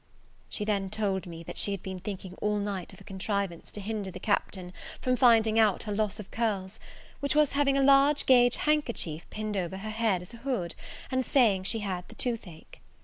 She then told me, that she had been thinking all night of a contrivance to hinder the Captain from finding out her loss of curls; which was having a large gauge handkerchief pinned over her head as a hood, and saying she had the tooth ache.